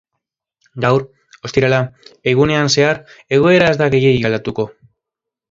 Gaur, ostirala, egunean zehar egoera ez da gehiegi aldatuko.